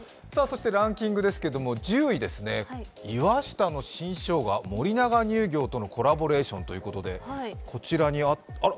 ランキングですけど、１０位、岩下の新生姜、森永乳業とのコラボレーションということでこちらにあら。